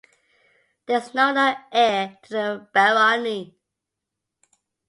There is no known heir to the barony.